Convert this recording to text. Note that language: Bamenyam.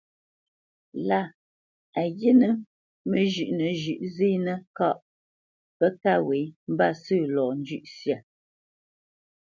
Lâ a ghíínə̂ məzhʉ́ʼnə zhʉ̌ʼ zénə́ kâʼ pə́ kâ wě mbâsə̂ lɔ njʉ̂ʼ syâ.